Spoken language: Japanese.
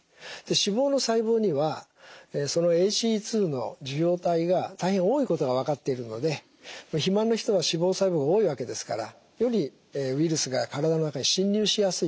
脂肪の細胞にはＡＣＥ２の受容体が大変多いことが分かっているので肥満の人は脂肪細胞が多いわけですからよりウイルスが体の中に侵入しやすいということが分かっていますね。